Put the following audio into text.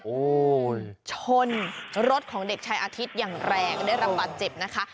โอ้โหชนรถของเด็กชายอาทิตย์อย่างแรงได้รับบาดเจ็บนะคะ